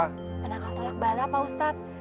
menangkal tolak bala pak ustadz